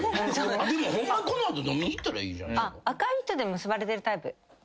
でもホンマにこの後飲みに行ったらいい。